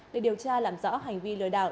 để điều tra làm rõ hành vi lừa đảo